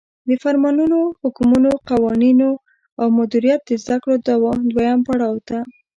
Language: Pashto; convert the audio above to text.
د فرمانونو، حکمونو، قوانینو او مدیریت د زدکړو دویم پړاو ته